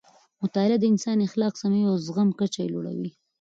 مطالعه د انسان اخلاق سموي او د زغم کچه یې لوړوي.